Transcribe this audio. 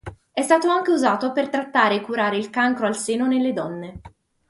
È stato anche usato per trattare e curare il cancro al seno nelle donne.